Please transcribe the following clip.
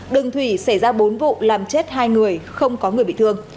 đường thủy xảy ra bốn vụ làm chết hai người không có người bị thương